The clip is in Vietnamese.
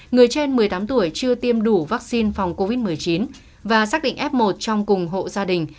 người trên một mươi tám tuổi chưa tiêm đủ vaccine phòng covid một mươi chín và xác định f một trong cùng hộ gia đình